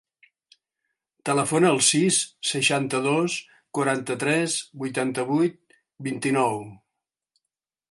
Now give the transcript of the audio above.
Telefona al sis, seixanta-dos, quaranta-tres, vuitanta-vuit, vint-i-nou.